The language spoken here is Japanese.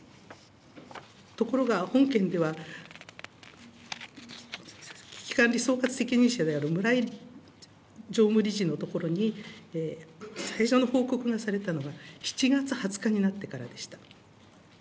ところが、本件では危機管理総括責任者であるむらい常務理事のところに、最初の報告がされたのは７月２０日になってからでした。